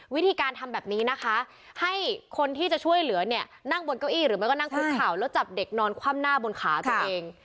วิธีการทำแบบนี้นะคะให้คนที่จะช่วยเหลือเนี่ยนั่งบนเก้าอี้หรือไม่ก็นั่งคุกเข่าแล้วจับเด็กนอนคว่ำหน้าบนขาตัวเอง